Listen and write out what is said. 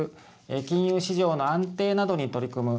金融市場の安定などに取り組む。